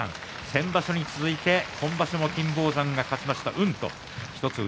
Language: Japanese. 先場所に続いて今場所も金峰山が勝ちました。